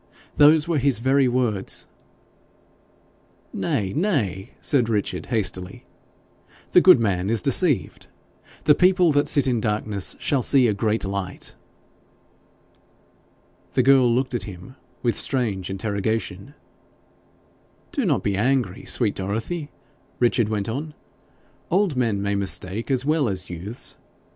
Those were his very words.' 'Nay, nay!' said Richard, hastily; 'the good man is deceived; the people that sit in darkness shall see a great light.' The girl looked at him with strange interrogation. 'Do not be angry, sweet Dorothy,' Richard went on. 'Old men may mistake as well as youths.